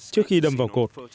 trước khi đâm vào cột